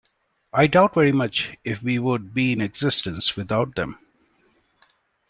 I doubt very much if we would be in existence without them.